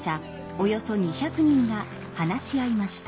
およそ２００人が話し合いました。